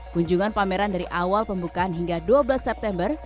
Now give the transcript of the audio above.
kunjungan pameran dari awal pembukaan hingga dua belas september